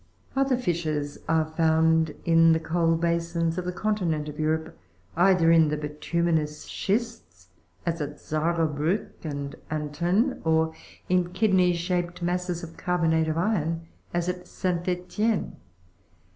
16. Other fishes are found in the coal basins of the continent of Europe, either in the bituminous schists, as at Sarrebruck and at Antun, or in kidney shaped masses of carbonate of iron, as at Saint Etienne.